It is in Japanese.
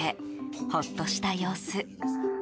ほっとした様子。